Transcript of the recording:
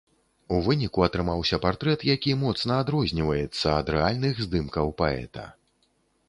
У выніку атрымаўся партрэт, які моцна адрозніваецца ад рэальных здымкаў паэта.